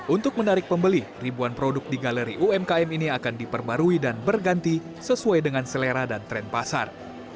untuk menarik pembeli ribuan produk di galeri umkm ini akan diperbarui dan berganti sesuai dengan selera dan tren pasar